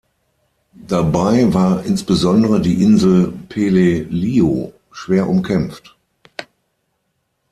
Dabei war insbesondere die Insel Peleliu schwer umkämpft.